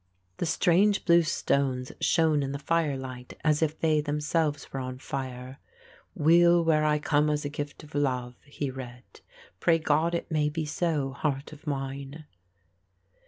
The strange blue stones shone in the firelight as if they themselves were on fire. "'Weal where I come as a gift of love,'" he read. "Pray God it may be so, heart of mine."